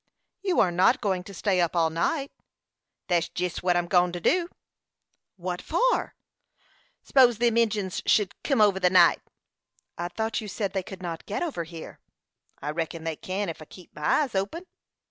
"You are not going to stay up all night." "That's jest what I'm go'n to do." "What for?" "S'pose'n them Injins should kim over in the night." "I thought you said they could not get over here." "I reckon they can't, ef I keep my eyes open."